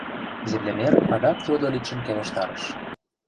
Землемер адак теодолитшым келыштарыш.